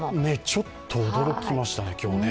ちょっと驚きましたね、今日。